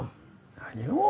何を？